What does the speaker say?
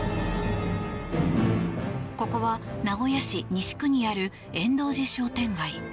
ここは名古屋市西区にある円頓寺商店街。